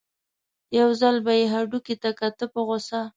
یو ځل به یې هډوکي ته کاته په غوسه.